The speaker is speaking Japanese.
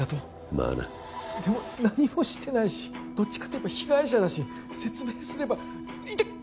まあなでも何もしてないしどっちかっていえば被害者だし説明すればイテッ！